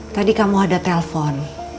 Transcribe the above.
tadi kamu ada telpon